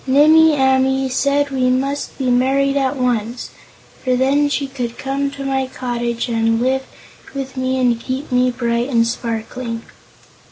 Nimmie Amee said we must be married at once, for then she could come to my cottage and live with me and keep me bright and sparkling.